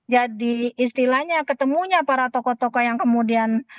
jadi istilahnya ketemunya para tokoh tokoh yang kemudian